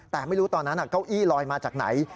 แต่ไม่รู้ตอนนั้นเก้าอี้ลอยมาจากไหน